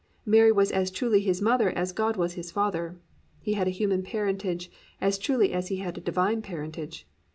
Mary was as truly His mother as God was His Father. He had a human parentage as truly as He had a divine parentage.